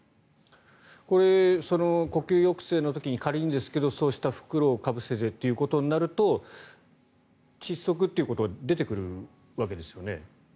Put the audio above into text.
呼吸抑制の時に仮にですけどそうした袋をかぶせてということになると窒息ということは出てくるわけですよね。